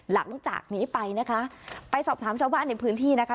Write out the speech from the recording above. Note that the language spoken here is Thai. หลังจากนี้ไปนะคะไปสอบถามชาวบ้านในพื้นที่นะคะ